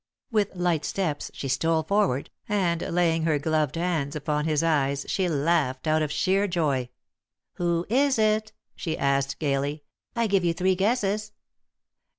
With light steps she stole forward, and laying her gloved hands upon his eyes she laughed out of sheer joy. "Who is it?" she asked, gaily. "I give you three guesses."